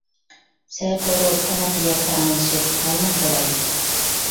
سەي قورۇپ، تاماق يەپ پاراڭلىشىپ ھال-مۇڭ بولايلى.